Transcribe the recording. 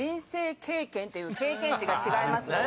ていう経験値が違いますので。